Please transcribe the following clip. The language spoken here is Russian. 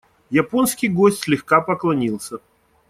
Японский гость слегка поклонился.